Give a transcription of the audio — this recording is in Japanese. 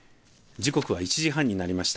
時刻は１時半になりました。